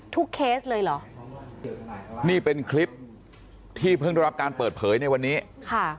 เคสเลยเหรอนี่เป็นคลิปที่เพิ่งได้รับการเปิดเผยในวันนี้ค่ะ